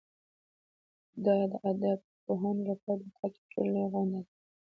دا د ادبپوهانو لپاره د کال تر ټولو لویه غونډه ده.